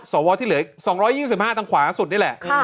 สวที่เหลืออีก๒๒๕ทางขวาสุดนี่แหละ